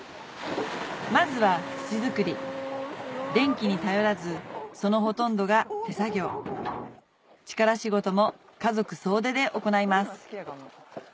まずは土作り電気に頼らずそのほとんどが手作業力仕事も家族総出で行います